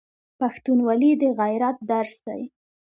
پښتونولي د غیرت درس دی.